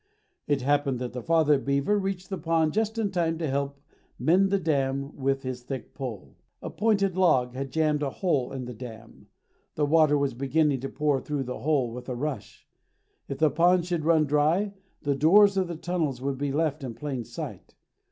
It happened that the father beaver reached the pond just in time to help mend the dam with his thick pole. A pointed log had jammed a hole in the dam. The water was beginning to pour through the hole with a rush. If the pond should run dry the doors of the tunnels would be left in plain sight.